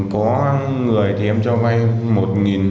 có người thì em cho vai